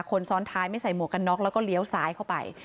คนซ้อนท้ายไม่ใส่หมวกกันน็อกแล้วก็เลี้ยวซ้ายเข้าไป